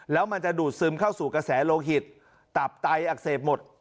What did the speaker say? แล้วมันจะดูดซึมเข้าสู่กระแสโลหิตตับไตอักเสบหมด